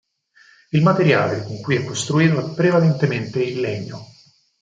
Il materiale con cui è costruito è prevalentemente il legno.